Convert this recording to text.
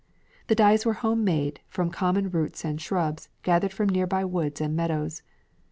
The dyes were homemade from common roots and shrubs gathered from nearby woods and meadows.